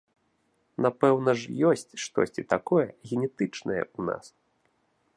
Напэўна ж ёсць штосьці такое генетычнае ў нас?